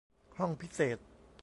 ห้องพิเศษ